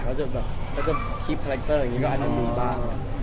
เขาจะคลิปคาแรคเตอร์อย่างงี้ก็อันนั้นมีบ้าง